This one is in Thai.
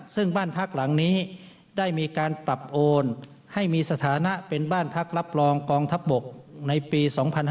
ซึ่งบ้านพักหลังนี้ได้มีการปรับโอนให้มีสถานะเป็นบ้านพักรับรองกองทัพบกในปี๒๕๕๙